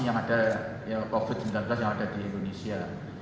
yang ada covid sembilan belas yang ada di indonesia